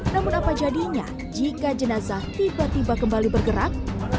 namun apa jadinya jika jenazah tiba tiba kembali bergerak